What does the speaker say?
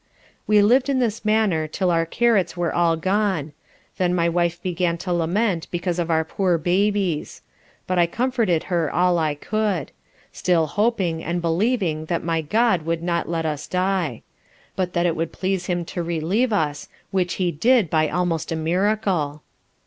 We lived in this manner, 'till our carrots were all gone: then my Wife began to lament because of our poor babies: but I comforted her all I could; still hoping, and believing that my GOD would not let us die: but that it would please Him to relieve us, which He did by almost a Miracle.